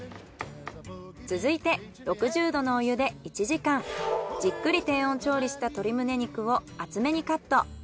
続いて６０℃のお湯で１時間じっくり低温調理した鶏ムネ肉を厚めにカット。